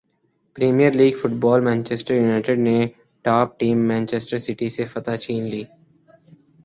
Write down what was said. premier league football Manchester United نے top team Manchester City سے فتح چھین لی